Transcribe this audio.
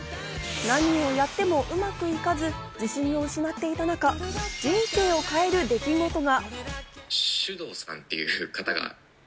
なにをやってもうまくいかず自信を失っていた中、人生を変える出来事が。